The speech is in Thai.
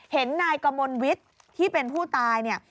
เห็นนายกมลวิทย์ที่เป็นผู้ตายเนี่ย